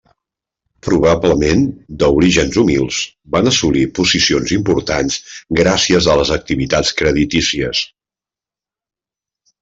Probablement d'orígens humils, van assolir posicions importants gràcies a les activitats creditícies.